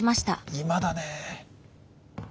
今だねぇ。